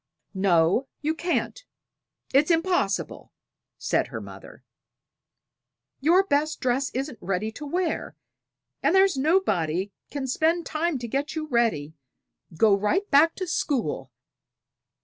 "No, you can't; it's impossible," said her mother. "Your best dress isn't ready to wear, and there's nobody can spend time to get you ready. Go right back to school."